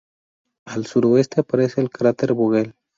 Al suroeste aparece el cráter Vogel.